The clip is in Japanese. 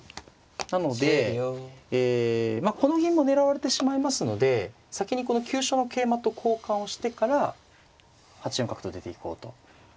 なのでえこの銀も狙われてしまいますので先にこの急所の桂馬と交換をしてから８四角と出ていこうと。